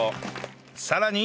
さらに